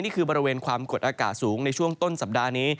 บริเวณความกดอากาศสูงในช่วงต้นสัปดาห์นี้